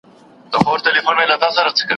په عذاب رانه د كلي سودخوران دي